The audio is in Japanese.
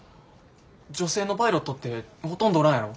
女性のパイロットってほとんどおらんやろ。